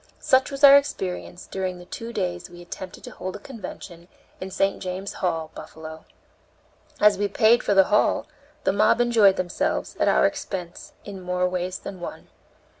Such was our experience during the two days we attempted to hold a convention in St. James' Hall, Buffalo. As we paid for the hall, the mob enjoyed themselves, at our expense, in more ways than one.